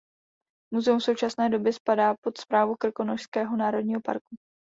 Muzeum v současné době spadá pod Správu Krkonošského národního parku.